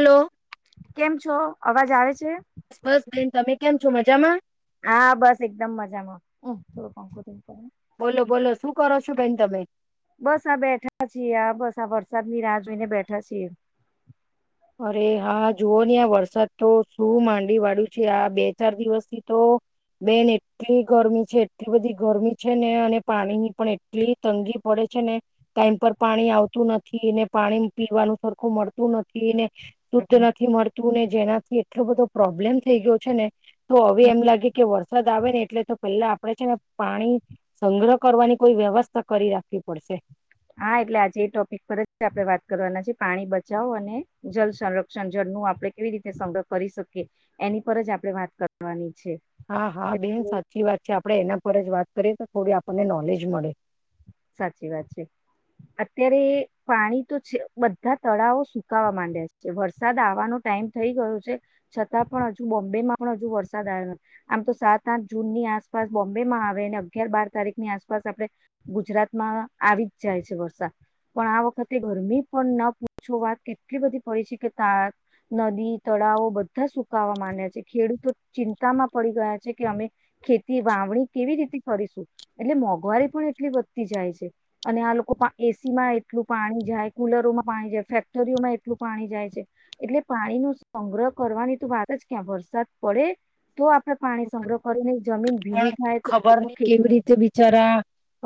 Hello કેમ છો અવાજ આવે છે બસ બસ બેન તમે કેમ છો મજામાં હા બસ એકદમ મજામાં હ થોડુંં બોલો બોલો શું કરો છો બેન તમે બસ આ બેઠા છીએ આ બસ આ વરસાદ ની રાહ જોઈને બેઠા છીએ અરે હા જુવ હ આ વરસાદ તો શું માંડી વાળું છે આ બે ચાર દિવસથી તો બેન એટલી ગરમી છે એટલી બધી ગરમી છે ને અને પાણી ની પણ એટલી તંગી પડે છે ને ટાઈમ પર પાણી આવતું નથી ને પાણી પીવાનું સરખું મળતું નથી [inaudible] શુદ્ધ નથી મળતું ને જેના એટલો બધો પ્રોબ્લેમ થઈ ગયો છે ને તો હવે એમ લાગે કે વરસાદ આવે ને એટલે તો પેલા આપડણે છે ને પાણી સંગ્રહ કરવાની કોઈ વ્યવસ્થા કરી રાખવી પડશે. હા એટલે આજે એ ટોપિક પર જ આપણે વાત કરવાના છે પાણી બચાવો અને જળ સંરક્ષણ જળનું આપડણે કેવી રીતે સંગ્રહ કરી શકીએ એની પર જ આપણે વાત કરવાની છે હા હા એ બેન સાચી વાત છે આપડે એના ફર જ વાત કરીએ તો થોડી આપણને નોલેજ મળે સાચી વાત છે અત્યારે પાણી તો છે બધા તળાવો સુકાવા માંડ્યા છે વરસાદ આવવાનો ટાઈમ થઈ ગયો છે છતાં પણ હજુ બોમ્બે માં પણ હજુ વરસાદ આવે આમ તો સાત આઠ જૂનની આસપાસ બોમ્બેમાં આવે ને અગિયાર બાર તારીખની આસપાસ આપણે ગુજરાતમાં આવી જ જાય છે વરસાદ પણ આ વખતે ગરમી પણ ન પૂછો વાત કેટલી બધી પડી છે કે ત નદી તળાવો બધા સુકાવા માંડ્યા છે ખેડૂતો ચિંતામાં પડી ગયા છે કે અમે ખેતી વાવણી કેવી રીતે ફરીશું એટલે મોંઘવારી પણ એટલી વધતી જાય છે અને આ લોકો એસી માં એટલું પાણી જાય કુલરોમાં પાણી જાય ફેક્ટરીઓમાં એટલું પાણી જાય છે એટલે પાણી ન સંગ્રહ કરવાની તો વાત જ ક્યાં વરસાદ પડે તો આપડે પાણી સંગ્રહ કરી ન પણ ખબર ની કેવી રીતે વિચારા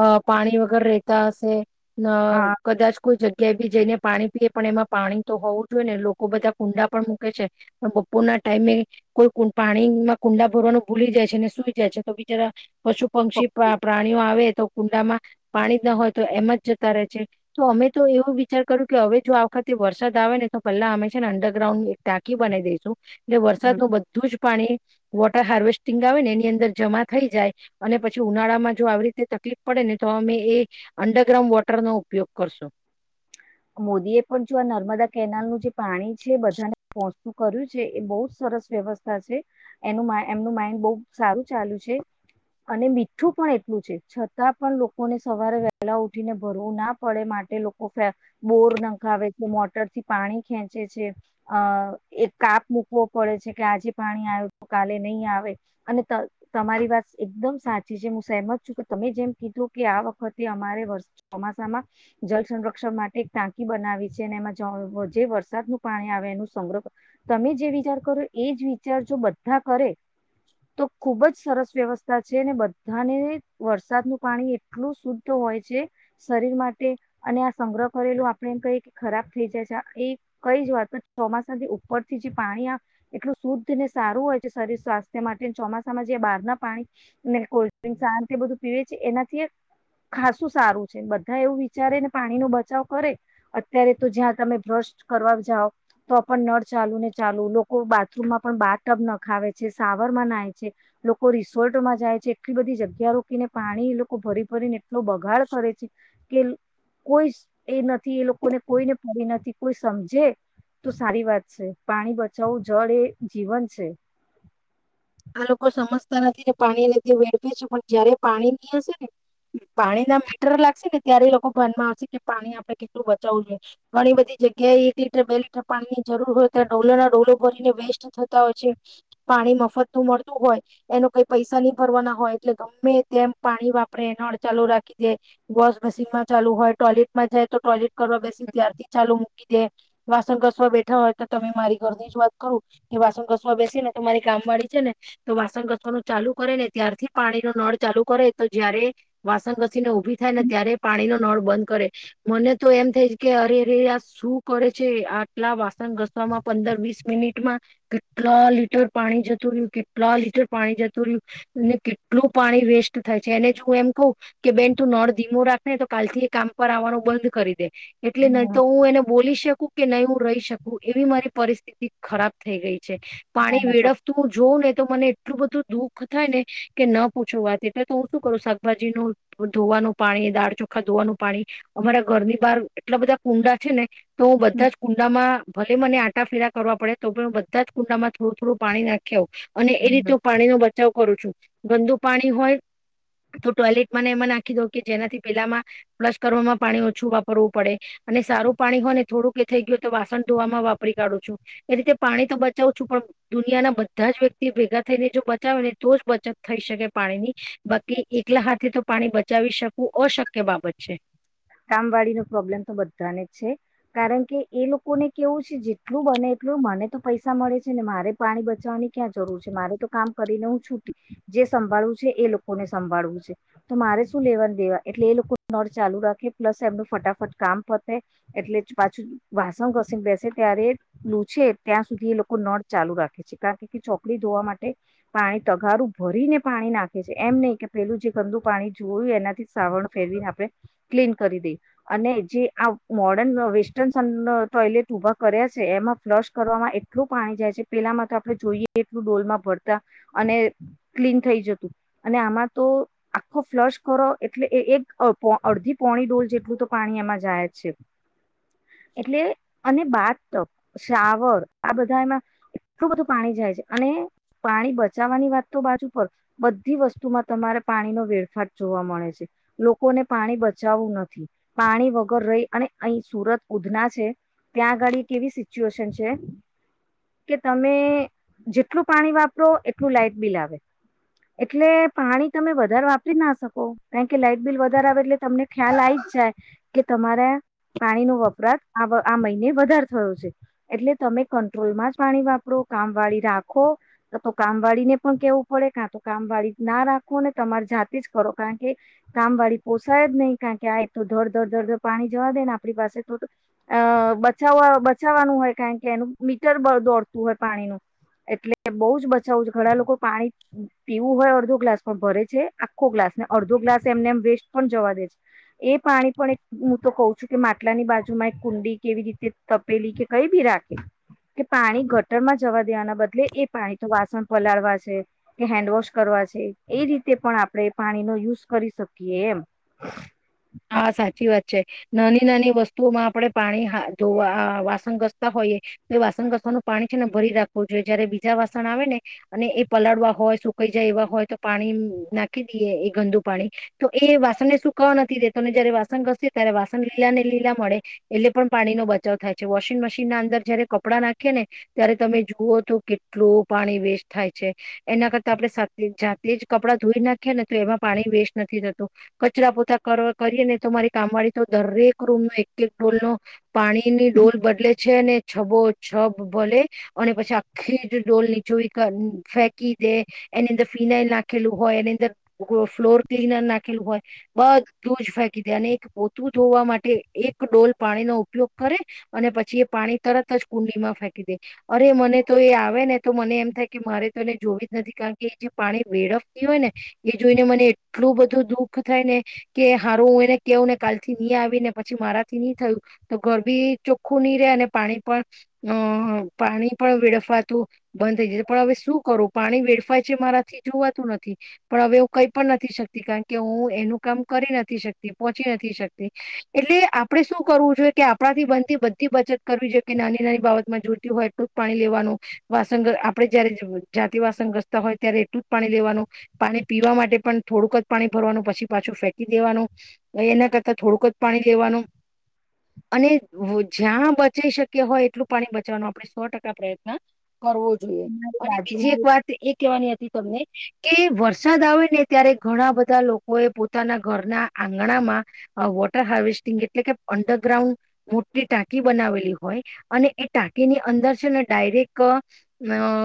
અ પાણી વગેર રહેતા હશે ના કદાચ કોઈ જગ્યા કે્યા બી જઈને પાણી પીએ પણ એમાં પાણી તો હોવું જોઈએ ને લોકો બધા કુંડા પણ મૂકે છે પણ બપોર ના ટાઈમે કોઈ પાણીમાં કુંડા ભરવાનું ભૂલી જાય છે ને શું છે. તમે જરા પશુ પંક્ષી પ્રાણીઓ આવે તો કુંડામાં પાણી ના હોય તો એમ જ જતા રહે છે તો અમે તો એવું વિચાર કરું કે હવે જો આ વખતે વરસાદ આવે ને તો પહેલા અમે છે ને અંડરગ્રાઉન્ડ એક ટાંકી બનાવી દઈશું એટલે વરસાદ નું બધું જ પાણી વોટર હાર્વેસ્ટિંગ આવે ને એની અંદર જમા થઈ જાય અને પછી ઉનાળામાં જો આવી રીતે તકલીફ પડે ને તો અમે એ અંડરગ્રાઉન્ડ વોટરનો ઉપયોગ કરશું. મોદીએ પણ જો આ નર્મદા કેનાલનું જે પાણી છે, બધાને પહચું કર્યું છે એ બહુ સરસ વ્યવસ્થા છે, એનું એમનું માઇન્ડ બહ સારું ચાલુ છે અને મીઠું પણ એટલું છે છતાં પણ લોકોને સવારે વહેલા ઉઠીને ભરવું ના પડે માટે લોકો બરખ મોટરથી પાણી ખેંચે છે, અ એક કાપ મુૂકવો પડે છે, કે આજે પાણી આવે તો કાલે નહીં આવે અને તમારી વાત એકદમ સાચી છે. હું સહેમત છું, કે તમે જેમ કીધું કે આ વખતે અમારે ચોમાસામાં જલ સંરક્ષણ માટે ટાંકી બનાવી છે, ને એમાં જે વરસાદનું પાણી આવે એનું સંગ્રહ તમે જે વિચાર કરો એ જ વિચાર જો બધા કરે તો ખુબ જ સરસ વ્યવસ્થા છે બધાને વરસાદનું પાણી એટલું શુદ્ધ હોય છે શરીર માટે અને આ સંગ્રહ કરલું આપડણે એમ કહીએ કે ખરાબ થઈ જાય છે, એ કઈ જ વાત ચોમાસાથી ઉપરથી જે પાણી આ એટલું શુદ્ધ ને સારું હોય છે, શરીર, સ્વાસ્થ્ય માટે ચોમાસામાં જે બહાર ના પાણી, કોલ્ડ્રિંક્સ શંત બધું પીવે છે એનાથી ખાસું સારું છે બધા એવું વિચારેને પાણીનો બચાવ કરે અત્યારે તો જ્યાં તમે બ્રશ કરવા જાાવ તો પણ નળ ચાલુ ને ચાલુ લોકો બાથરૂમમાં પણ બા ટબ ના ખાવે છે. શાવર માં નાાય છે લોકો રિસોર્ટમાં જાય છે, એટલી બધી જગ્યા રોકીને પાણી લોકો ભરી ભરીને એટલો બગાડ કરે છે, કે કોઈ એ નથી એ લોકોને કોઈને પડી નથી કોઈ સમજે તો સારી વાત છે. પાણી બચાવવું જળ એ જીવન છે. આ લોકો સમજતા નથી ને પાણી ને એ રીતે વેડફે છે. પણ જયારે પાણી નહી હશે ને પાણી ના મીટર લાગશે ને ત્યારે લોકો ભનમાં આવશે કે પાણી આપડણે કેટલું બચાવવું જોઈએ ઘણી બધી જગ્યાએ એક લીટર, બે લીટર પાણી ની જરૂર હોય ત્યારે ડોલો ના ડોલો ભરીને વેસ્ટ થતા હોય છે. પાણી મફત મળતું હોય એનો કઈ પૈસા નહી ભરવાના હોય એટલે ગમે તેમ પાણી વાપરે એ હળચાલુ રાખી દે વોશ મશીન માં, ચાલુ હોય ટોયલેટમાં જાય. તો ટોલેટ કરવા બેસી ત્યારથી ચાલુ કે જે વાસણ કસવા બેઠા હોય તો તમે મારી ઘર ની જ વાત કરું કે વાસણ કસવા બેસી ને તો મારી કામ વાળી ને તો વાસણ ઘસવાનું ચાલુ કરે ને ત્યારથી પાણી નો નળ ચાલુ કરે, તો જયારે વાસણ ઘસીને ઉભી થાય ને હમ ત્યારે પાણી નો નળ બંધ કરે મને તો એમ થાય કે અરે, અરે આ શું કરે છે. આટલા વાસણ ઘસવામાં પંદર, વીસ મિનિટમાં કેટલા લીટર પાણી જ તું રહ્યું કેટલા લીટર પાણી જતું રહ્યું, કેટલું પાણી વેસ્ટ થાય છે એને જું એમ કહ કે બેન તું નળ ધીમો રાખેને તો કાલથી એ કામ પર આવવાનું બંધ કરી દે. એટલે નહ તો હું એને બોલી શકું કે નહી, હું રહી શકું એવી મારી પરિસ્થિતિ ખરાબ થઈ ગઈ છે. ના પાણી ના વેડફ કહ ને તો મને એટલું બધું દુઃખ થાય, ને કે ન પૂછવા વાત એટલે તો હું શું કરું શાકભાજી ન ધોવાનું પાણી દાળ ચોખા ધોવાનું પાણી અમારા ઘરની બહાર એટલા બધા કુંડા છે, ને તો હું સાચું. બધા જ કુંડામાં ભલે મને આંટા ફેરા કરવા પડે તો હ બધા જ કુંડામાં થોડું થોડું પાણી નાખ નાખી આવું. અને એ રીતે પાણી નો બચાવ બચાવ કરું છું. ગંદુ પાણી હોય તો ટોયલેટ મને એમાં નાખી દઉ કે જેનાથી પેલામાં ફ્લશ કરવામાં પાણી ઓછું વાપરવું પડે, અને સારું પાણી હોય ને થોડુંક એ થઈ ગયું તો વાસણ ધોવામાં વાપરી કાઢું છું. એ રીતે પાણી તો બચાવું છું પણ દુનિયાના બધા જ વ્યક્તિ ભેગા થઈને જો બચાવે ને તો જ બચત થઈ શકે પાણીની. બાકી એકલા હાથે તો પાણી બચાવી શકવું અશક્ય બાબત છે. કામવાળીનો પ્રોબ્લેમ તો બધાને જ છે, કારણ કે એ લોકોને કેવું છે જેટલું બને એટલું મને તો પૈસા મળે છે, ને મારે પાણી બચાવવાની ક્યાં જરૂર છે, મારે તો કામ કરીને હું છૂટી જે સંભાળવું છે, એ લોકોને સંભાળવું છે, તો મારે શું લેવાને દેવા એટલે એ લોકો નળ ચાલુ રાખે પ્લસ એમનું ફટાફટ કામ પતે એટલે પાછું વાસણ ઘસંગ બેસે ત્યારે લૂછે ત્યાં સુધી એ લોકો નળ ચાલુ રાખે છે, કારણ કે ચોકલી ધોવા માટે પાણી તગારું ભરીને પાણી નાખે છે, એમ નહીં કે પેલું જે ગંદુ પાણી જોયું એનાથી સાવણ ફેરવીને આપણે ક્લીન કરી દે અને જે આ મોર્ડન વેસ્ટર્ન સન ટોયલેટ ઉઊભા કર્યા છે, એમાં ફ્લશ કરવામાં એટલું પાણી જાય છે. પેલામાં તો આપણે જોઈએ એટલું ડોલમાં ભરતા અને ક્લીન થઈ જતું અને આમાં તો આખો ફ્લશ કરો એટલે એક અડધી પોણી ડોલ જેટલું તો પાણી એમાં જાય છે, એટલે અને બાથ ટબ, શાવર આ બધા એમાં એટલું બધું પાણી જાય છે, અને પાણી બચાવવાની વાત તો બાજુ પર બધી વસ્તુમાં તમારે પાણીનો વેડફાટ જોવા મળે છે. લોકોને પાણી બ જું નથી પાણી વગર રહી અને અહી સુરત ઉધના છે. ત્યાં આગળ એક એવી સિચ્યુએશન છે, કે તમે જેટલું પાણી વાપરો એટલું લાાઈટ બિલ આવે એટલે પાણી તમે વધારે વાપરી ના શકો કારણ કે લાાઈટ બિલ વધારે આવે એટલે તમને ખ્યાલ આવી જ જાય કે તમારા પાણીનો વપરાશ આ મહિને વધારે થયો છે, એટલે તમે કંટ્રોલમાં જ પાણી વાપરો કામ વાળી રાખો તો કામવાળીને પણ કેવું પડે કાં તો કામ વાળી ના રાખો અનેને તમારી જાતે જ કરો કારણ કે કામવાળી પોસાય જ નહીં. કારણ કે આ તો ધર ધર ધડ ધડ પાણી જવા દે ને આપણી પાસે તો અ બચાવવા બચાવવાનું હોય કારણ કે એનું મીટર દોડતું હોય પાણીનું એટલે બઉુ જ બચાવવું છે, ઘણા લોકો પાણી પીવું હોય અડધો ગ્લાસ પણ ભરે છે, આખો ગ્લાસ ને અડધો ગ્લાસ એમને એમ વેસ્ટ પણ જવા દે છે. એ પાણી પણ એક હું તો કહ છું, કે માટલાની બાજુ માં એક કુંડી કેવી રીતે તપેલી કે કઈ ભી રાખે કે પાણી ગટરમાં જવા દેવાના બદલે એ પાણી તો વાસણ પલાળવા છે, કે હેન્ડવોશ કરવા છે, એ રીતે પણ આપણે પાણીનો યુઝ કરી શકીએ. એમ. હ હા સાચી વાત છે. નાની નાની વસ્તુઓમાં આપણે પાણી ધોવા વાસણ ઘસતા હોઈએ તો એ વાસણ ઘસવાનું પાણી છે, ને ભરી રાખવું જોઈએ જયારે બીજા વાસણ આવે ને અને એ પલાળવા હોય સુકાઈ જાય એવા હોય તો પાણી નાખી દઈએ એ ગંદુ પાણી તો એ વાસણને સુકાવા નથી દેતું. તમે જયારે વાસણ ઘસી ત્યારે વાસણ લીલા ને લીલા મળે એટલે પણ પાણીનો બચાવ થાય છે. વોશિંગ મશીન ના અંદર જયારે કપડાં નાખીએ ને ત્યારે તમે જુઓ તો કેટલું પાણી વેસ્ટ થાય છે, એના કરતા આપણે જાતે જ કપડાં ધોઈ નાખીએ ને તો એમાં પાણી વેસ્ટ નથી થતું. કચરા પોતા કર કરીએ ને તમારી કામ વાળી તો દરેક રૂમ નો એક એક ડોલ નો પાણી ની ડોલ બદલે છે. છે ને છબો છબ ભલે અને પછી આખી જ ડોલ નીચો ફેંકી દે એની અંદર ફિનાઈલ નાખેલું હોય, એની અંદર ફ્લોર ક્લીનર નાખેલું હોય. બધુ બધું જ ફેંકી દે અને એક પોતું ધોવા માટે એક ડોલ પાણીનો ઉપયોગ કરે અને પછી એ પાણી તરત જ કુંડીમાં ફેંકી દે અરે મને તો એ આવે ને તો મને એમ થાય કે મારે તો એને જોવી જ નથી, કારણ કે એ જે પાણી વેળફતી હોય ને એ જોઈને મને એટલું બધું દુઃખ થાય ને કે હારું હું એને કહું ને કાલથી નહી. આવી ને પછી મારાથી નહી થયું તો ઘર બી ચોખ્ખું નહી રહેે અને પાણી પણ અ પાણી પણ વેડફાતું બંધ થઈ જતું. પણ હવે શું કરું પાણી વેડફાય છે મારાથી જોવાતું નથી પણ હવે હું કઈ પણ નથી શકતી, કારણ કે હું એનું કામ કરી નથી શકતી પહોંચી નથી શકતી એટલે આપણે શું કરવું જોઈએ કે આપણાથી બનતી બધી બચત કરવી જોઈએ. નાની નાની બાબતમાં જોતી હોય એટલું જ પાણી લેવાનું. વાસણ આપણે જયારે જાતિ વાસણ રસતા હોય ત્યારે એટલું જ પાણી લેવાનું પાણી પીવા માટે પણ થોડુંક જ પાણી ભરવાનું પછી પાછું ફે ફેંકી દેવાનું એના કરતાં થોડુંક જ પાણી દેવાનું અને જ્યાં બચી શક્યા હોય એટલું પાણી બચવાનું આપણે સો ટકા પ્રયત્ન કરવો જોઈએ અમારી અને બીજી બાજુમાં એક વાત એ કેવાની તમને કે વરસાદ આવે ને ત્યારે ઘણા બધા લોકો એ પો પોતાના ઘરના આંગણામાં વોટર હાર્વેસ્ટિંગ એટલે કે અંડરગ્રાઉન્ડ મોટી ટાંકી બનાવેલી હોય. અને એ ટાંકીની અંદર છે ને ડાયરેક્ટ અ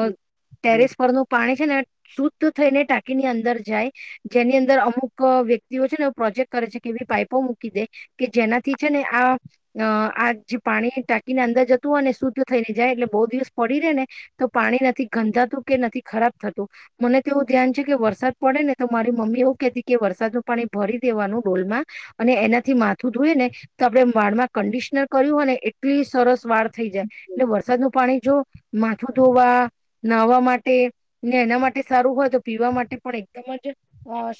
છે ટેરિસ પાણી. પરનું પાણી છે ને શુદ્ધ થઈને ટાંકીની અંદર જાય. જેની અંદર અમુક વ્યક વ્યક્તિઓ ને પ્રોજેક્ટ કરે છે. કે એવી પાઈપો મૂકી દે, કે જેનાથી છે ને આ ન આ જે પાણી ટાંકીને અંદર જતું હો અને શુદ્ધ થઈ ને જાય. એટલે બહુ દિવસ પડી રે ને તો પાણી નથી ગંધાતું, કે નથી ખરાબ થતું. મને તો એવું ધ્યાન છે કે વરસાદ પડે ને તો મારી મમ્મી એવું કેહેતી કે વરસાદ પાણી ભરી દેવાનું ડોલમાં. અને એનાથી માથું ધોય ને તો આપડે વાળ માં કંડિશનર કર્યું હોય ને એટલી સરસ વાળ થઈ જાય. એટલે વરસાદનું પાણી જો માથું ધોવા, નાહવા માટે ને એના માટે સારું હોય. તો પીવા માટે પણ એકદમ જ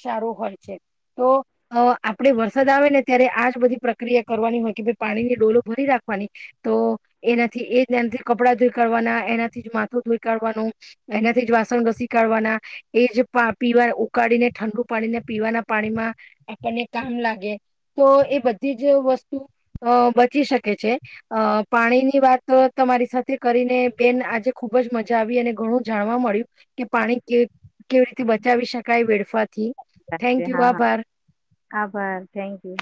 સારું હોય છે. તો અ આપડે વરસાદ આવે ને ત્યારે આજ બધી પ્રક્રિયા કરવાની હોય. કે ભાઈ પાણીની ડોલો ભરી રાખવાની. તો એનાથી એ જ એનાથી કપડાં ધોઈ કાઢવાના, એનાથી જ માથું ધોઈ કાઢવાનું, એનાથી જ વાસણ ઘસી કાઢવાના, એ જ પીવા ઉકાળીને ઠંડુ પાણીને પીવાના પાણીમાં આપણને કામ લાગે. તો એ બધી જ વસ્તુ અ બચી શકે છે. અ પાણીની વાત તમારી સાથે કરીને બેન આજે ખુબ જ મજા આવી. અને ઘણું જાણવા મળ્યું, કે પાણી કે કેવી રીતે બચાવી શકાય વેડફાથી થેન્ક [unintelligible] હા યુ હા, આભાર આાભાર થેન્ક યુ.